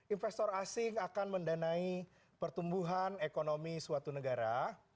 investor asing akan mendanai pertumbuhan ekonomi suatu negara